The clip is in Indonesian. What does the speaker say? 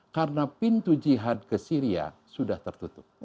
karena pintu jihad ke syria sudah tertutup